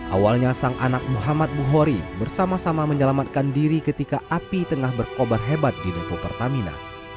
awalnya sang anak muhammad buhori bersama sama menyelamatkan diri ketika api tengah berkobar hebat di depo pertamina